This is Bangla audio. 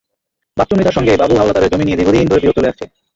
বাচ্চু মৃধার সঙ্গে বাবু হাওলাদারের জমি নিয়ে দীর্ঘদিন ধরে বিরোধ চলে আসছে।